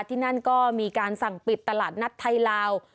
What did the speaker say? ที่นั่นก็มีการสั่งปิดตลาดนัดไทยลาว